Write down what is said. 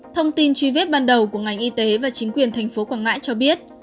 thông tin truy vết ban đầu của ngành y tế và chính quyền tp quảng ngãi cho biết